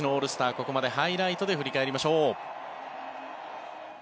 ここまでハイライトで振り返りましょう。